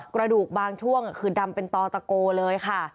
กระดูกบางช่วงคือดำเป็นตอตะโกเลยค่ะ